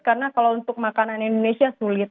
karena kalau untuk makanan indonesia sulit